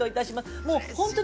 もう本当に。